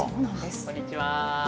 こんにちは。